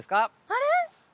あれ？